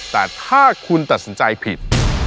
แต่ถ้าคุณตัดสินใจผิด